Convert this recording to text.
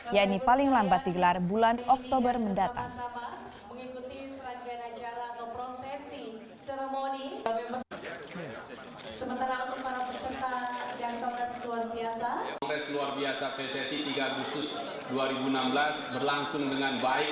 yang ini paling lambat digelar bulan oktober mendatang